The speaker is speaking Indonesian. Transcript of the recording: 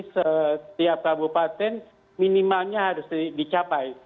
setiap kabupaten minimalnya harus dicapai